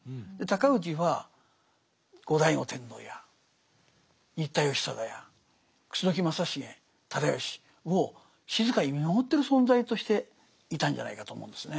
尊氏は後醍醐天皇や新田義貞や楠木正成直義を静かに見守ってる存在としていたんじゃないかと思うんですね。